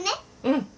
うん。